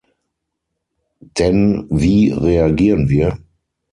Denn wie reagieren wir?